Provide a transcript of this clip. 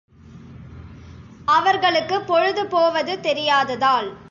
அவர்களுக்கு பொழுது போவது தெரியாததால்.